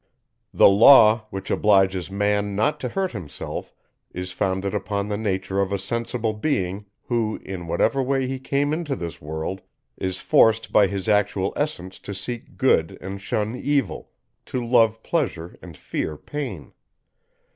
The law, which obliges man not to hurt himself, is founded upon the nature of a sensible being, who, in whatever way he came into this world, is forced by his actual essence to seek good and shun evil, to love pleasure and fear pain.